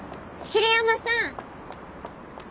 桐山さん。